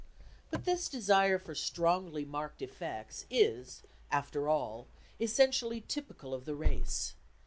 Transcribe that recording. But this desire for strongly marked effects is after all essentially typical of the race.